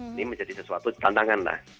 ini menjadi sesuatu tantangan lah